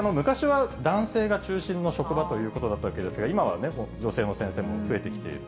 これ、昔は男性が中心の職場ということだったわけですが、今はね、女性の先生も増えてきている。